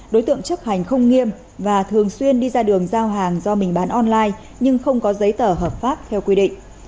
đối tượng chấp hành không nghiêm và thường xuyên đi ra đường giao hàng do mình bán online nhưng không có giấy tờ hợp pháp theo quy định